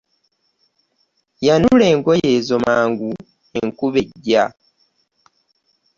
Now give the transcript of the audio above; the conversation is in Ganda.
Yanula engoye ezo mangu enkuba ejja.